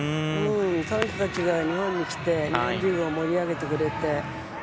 彼女たちが日本に来て日本人を盛り上げてくれて。